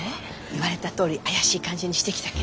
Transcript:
言われたとおり怪しい感じにしてきたけど。